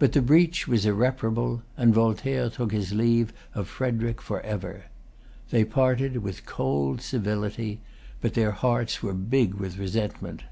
But the breach was irreparable; and Voltaire took his leave of Frederic forever. They parted with cold civility; but their hearts were big with resentment.